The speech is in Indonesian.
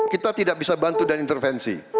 kita tidak bisa bantu dan intervensi